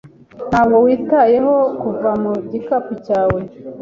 Ntabwo witayeho kuva mu gikapu cyawe.